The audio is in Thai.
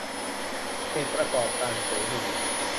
เขตประกอบการเสรี